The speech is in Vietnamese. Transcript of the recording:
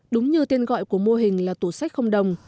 đúng như tên gọi của mô hình là tủ sách không đồng